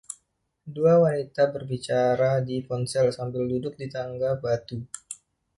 Dua wanita berbicara di ponsel sambil duduk di tangga batu